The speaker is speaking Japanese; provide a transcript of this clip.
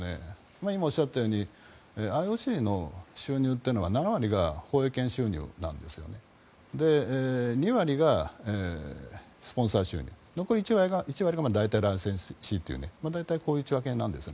今おっしゃったようにＩＯＣの収入は７割が放映権収入２割がスポンサー収入残り１割が大体、ライセンシーという大体こういう内訳になるんです。